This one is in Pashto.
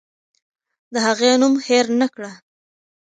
د هغې نوم هېر نکړه.